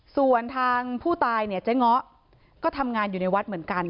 ส่วนทางผู้ตายเนี่ยเจ๊ง้อก็ทำงานอยู่ในวัดเหมือนกัน